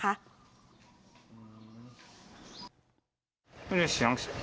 เข้ามาเลย